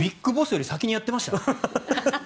ＢＩＧＢＯＳＳより先にやっていました。